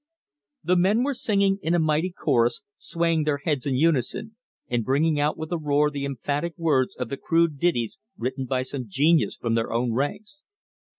The men were singing in a mighty chorus, swaying their heads in unison, and bringing out with a roar the emphatic words of the crude ditties written by some genius from their own ranks.